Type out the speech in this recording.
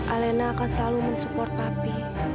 alena akan selalu mensupport tapi